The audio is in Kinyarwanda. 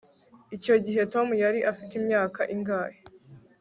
icyo gihe tom yari afite imyaka ingahe